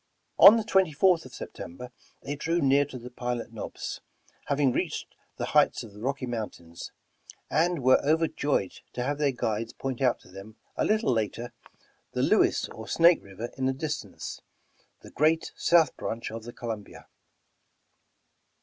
On the 24th of September, they drew near to the "Pilot Knobs," having reached the heights of the Rocky Mountains, and were overjoyed to have their guides point out to them, a little later, the Lewis or Snake River in the distance, the great south branch of the Columbia.